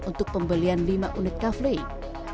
untuk pembelian lima unit kaveling